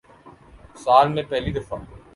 سال میں پہلی دفع